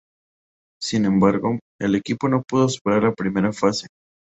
Sin embargo, el equipo no pudo superar la primera fase.